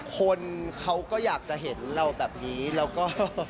คนเขาก็อยากจะเห็นเราแบบนี้แล้วก็